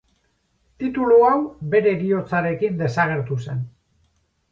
Titulu hau bere heriotzarekin desagertu zen.